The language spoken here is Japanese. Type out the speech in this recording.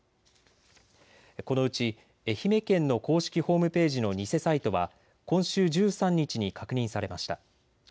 このうち愛媛県の公式ホームページの偽サイトは今週１３日に確認されました。